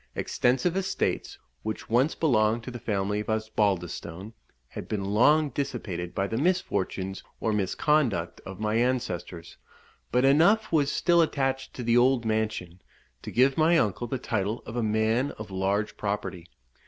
Extensive estates, which once belonged to the family of Osbaldistone, had been long dissipated by the misfortunes or misconduct of my ancestors; but enough was still attached to the old mansion, to give my uncle the title of a man of large property.